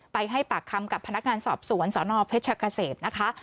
ให้ปากคำกับพนักงานสอบสวนสนเพชรเกษมนะคะ